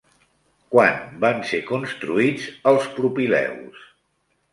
Quan van ser construïts els Propileus?